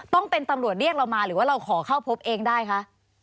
ต้องเป็นตำรวจเรียกเรามาหรือว่าเราขอเข้าพบเองได้คะ